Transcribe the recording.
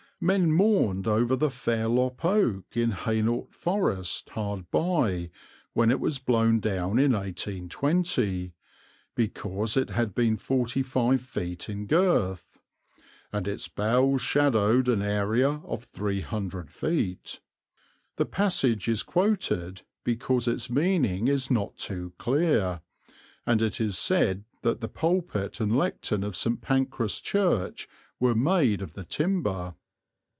Men mourned over the Fairlop Oak, in Hainault Forest hard by, when it was blown down in 1820, because it had been forty five feet in girth "and its boughs shadowed an area of 300 ft." the passage is quoted because its meaning is not too clear and it is said that the pulpit and lectern of St. Pancras Church were made of the timber.